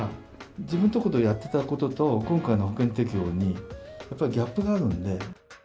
自分の所でやってたことと、今回の保険適用にやっぱりギャップがあるんで。